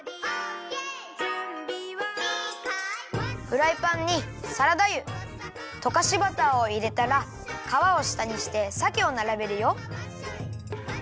フライパンにサラダ油とかしバターをいれたらかわをしたにしてさけをならべるよ。